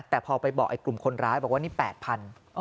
แต่พอไปบอกไอ้กลุ่มคนร้ายบอกว่านี่๘๐๐บาท